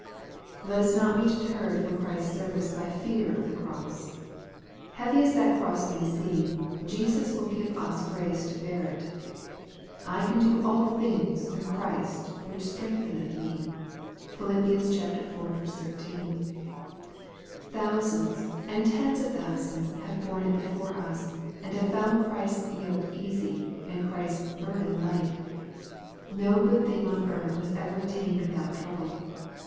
170 EXPOSITORY THOUGHTS. Let us not be deterred from Christ's service by feai of the cross. Heavy as that cross may seem, Jesus will give us grace to bear it. " I can do all things through Christ which strengthened me." (Phil. iv. 13.) Thou sands and tens of thousands have borne it before us, and have found Christ's yoke easy, and Christ's burden light. No good thing on earth was ever attained without trouble.